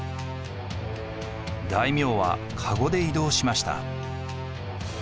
大名はかごで移動しました。